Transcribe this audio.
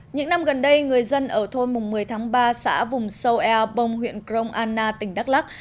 những năm gần đây người dân ở thôn mùng một mươi tháng ba xã vùng sâu ea bông huyện crong anna tỉnh đắk lắc